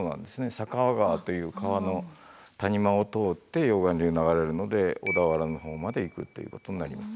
酒匂川という川の谷間を通って溶岩流が流れるので小田原の方まで行くということになります。